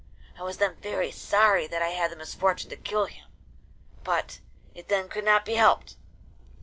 I was then very sorry that I had the misfortune to kill him, but it then could not be helped.